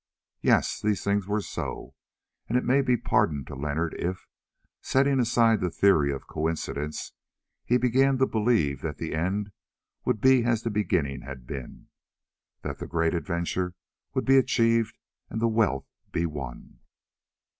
Yes, these things were so, and it may be pardoned to Leonard if, setting aside the theory of coincidence, he began to believe that the end would be as the beginning had been, that the great adventure would be achieved and the wealth be won.